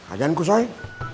ada yang kesoy